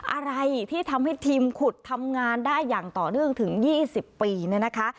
อะไรที่ทำให้ทีมขุดทำงานได้อย่างต่อเนื่องถึง๒๐ปีเนี่ยนะคะ